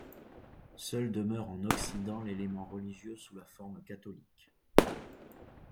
Seule demeure en Occident l'élément religieux sous la forme catholique.